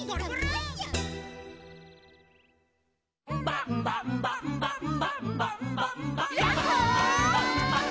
「ンバンバンバンバンバンバンバンバ」「ヤッホー」「」